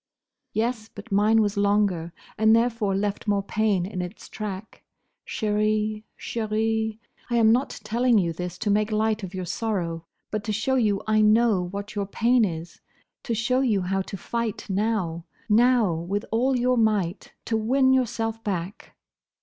"Yes; but mine was longer and therefore left more pain in its track. Chérie, chérie, I am not telling you this to make light of your sorrow, but to show you I know what your pain is: to show you how to fight now, now, with all your might, to win yourself back."